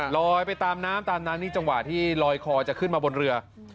ลอยไปตามน้ำตามนั้นนี่จังหวะที่ลอยคอจะขึ้นมาบนเรือ